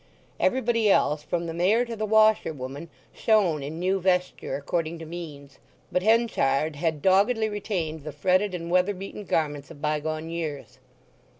Everybody else, from the Mayor to the washerwoman, shone in new vesture according to means; but Henchard had doggedly retained the fretted and weather beaten garments of bygone years.